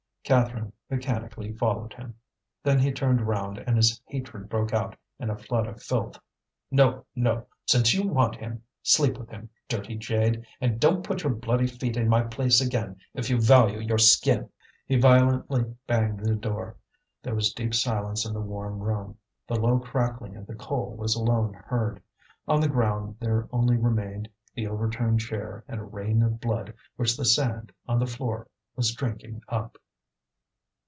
Catherine mechanically followed him. Then he turned round, and his hatred broke out in a flood of filth. "No, no! since you want him, sleep with him, dirty jade! and don't put your bloody feet in my place again if you value your skin!" He violently banged the door. There was deep silence in the warm room, the low crackling of the coal was alone heard. On the ground there only remained the overturned chair and a rain of blood which the sand on the floor was drinking up.